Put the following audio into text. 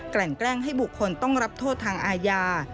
ลั่นแกล้งให้บุคคลต้องรับโทษทางอาญา